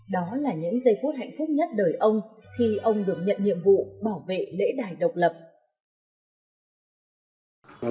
đó là những giây phút hạnh phúc nhất đời ông khi ông được nhận nhiệm vụ bảo vệ lễ đài độc lập